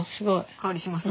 香りします？